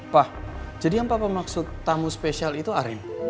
pak jadi yang papa maksud tamu spesial itu ari